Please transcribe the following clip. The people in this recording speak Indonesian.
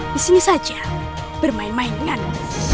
di sini saja bermain main dengan